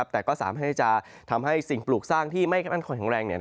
แต่ก็สามารถที่จะทำให้สิ่งปลูกสร้างที่ไม่มั่นคงแข็งแรง